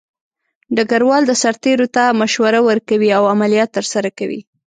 ډګروال د سرتیرو ته مشوره ورکوي او عملیات ترسره کوي.